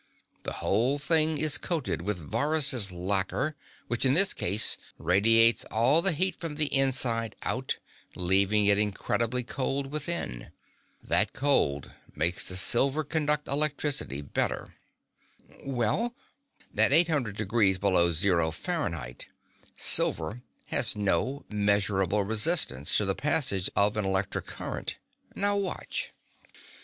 The whole thing is coated with Varrhus' lacquer, which, in this case, radiates all the heat from the inside out, leaving it incredibly cold within. That cold makes the silver conduct electricity better." "Well?" "At eight hundred degrees below zero Fahrenheit silver has no measurable resistance to the passage of an electric current. Now watch."